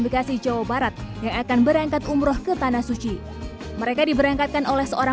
bekasi jawa barat yang akan berangkat umroh ke tanah suci mereka diberangkatkan oleh seorang